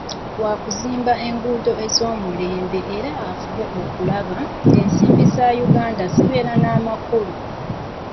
Waakuzimba enguudo ez'omulembe era afube okulaba ng'ensimbi za Uganda zibeera n'amakulu.